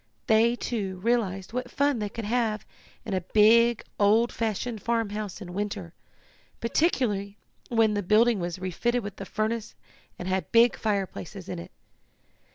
They, too, realized what fun they could have in a big, old fashioned farmhouse in winter, particularly when the building was refitted with a furnace, and had big fireplaces in it.